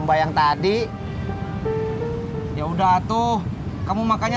sayang kalau dibuangnya